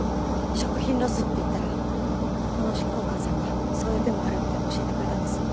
食品ロスって言ったらこの執行官さんがそういう手もあるって教えてくれたんです。